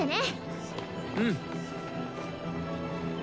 うん。